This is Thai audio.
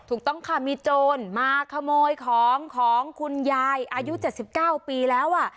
ถูกต้องค่ะมีโจรมาขโมยของของคุณยายอายุ๗๙ปีแล้ว